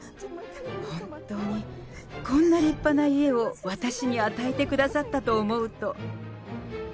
本当に、こんな立派な家を私に与えてくださったと思うと。